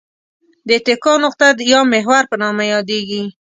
د اتکا نقطه یا محور په نامه یادیږي.